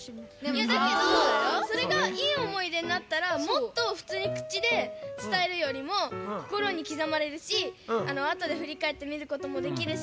いやだけどそれがいいおもいでになったらもっとふつうに口で伝えるよりもこころにきざまれるしあとでふりかえってみることもできるし。